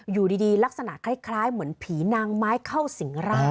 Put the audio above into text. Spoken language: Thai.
อยู่ดีลักษณะคล้ายเหมือนผีนางไม้เข้าสิงร่าง